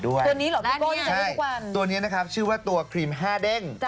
ตัวนี้เหรอพี่โกะที่เจ๋งให้ทุกวันตัวนี้นะครับชื่อว่าตัวครีม๕เด้ง